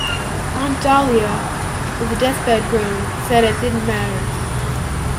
Aunt Dahlia, with a deathbed groan, said it didn't matter.